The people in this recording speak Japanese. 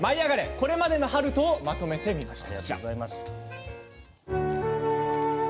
これまでの悠人をまとめました。